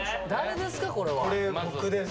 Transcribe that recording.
これ僕です。